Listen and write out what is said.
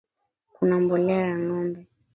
Kuna mbolea ya ngombe